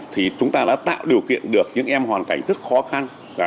thì chúng ta đã tạo điều kiện được những em hoàn cảnh rất khó khăn